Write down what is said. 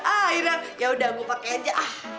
ah irang ya udah gue pakai aja